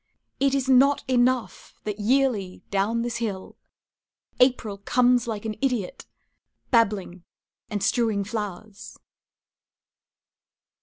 It is not enough that yearly, down this hill, April Comes like an idiot, babbling and strewing flowers.